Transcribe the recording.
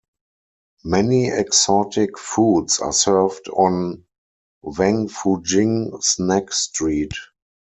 Many exotic foods are served on Wangfujing snack street.